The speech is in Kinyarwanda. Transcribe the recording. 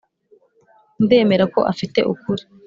ndemera ko afite ukuri.